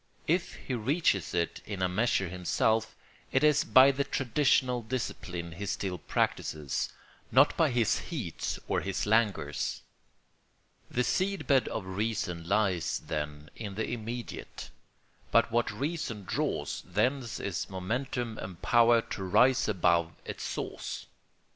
If he reaches it in a measure himself, it is by the traditional discipline he still practises, not by his heats or his languors. The seed bed of reason lies, then, in the immediate, but what reason draws thence is momentum and power to rise above its source.